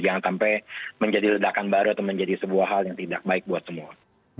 jangan sampai menjadi ledakan baru atau menjadi sebuah hal yang tidak baik buat semua